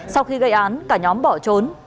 sau khi gây án cả nhóm bỏ trốn